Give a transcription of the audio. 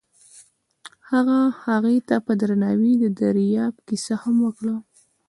هغه هغې ته په درناوي د دریاب کیسه هم وکړه.